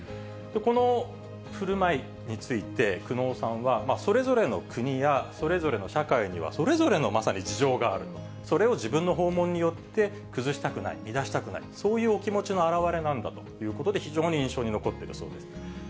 このふるまいについて、久能さんは、それぞれの国やそれぞれの社会には、それぞれのまさに事情があると、それを自分の訪問によって、崩したくない、乱したくない、そういうお気持ちの表れなんだということで、非常に印象に残ってるそうです。